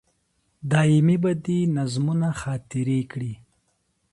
دایمي به دي نظمونه خاطرې کړي